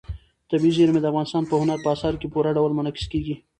طبیعي زیرمې د افغانستان په هنر په اثار کې په پوره ډول منعکس کېږي.